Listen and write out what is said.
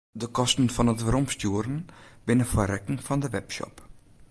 De kosten fan it weromstjoeren binne foar rekken fan de webshop.